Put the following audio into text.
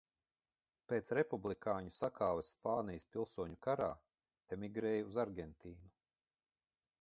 Pēc republikāņu sakāves Spānijas pilsoņu karā emigrēja uz Argentīnu.